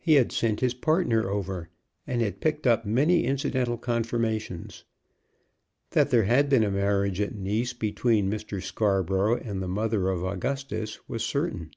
He had sent his partner over, and had picked up many incidental confirmations. That there had been a marriage at Nice between Mr. Scarborough and the mother of Augustus was certain.